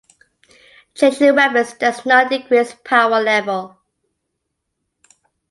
Changing weapons does not increase power level.